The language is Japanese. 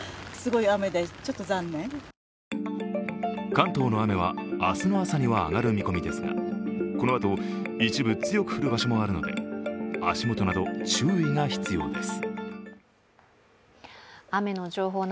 関東の雨は、明日の朝には上がる見込みですがこのあと一部強く降る場所もあるので足元など注意が必要です。